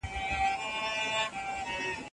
د خولې بد بوی نور خلک ځوروي.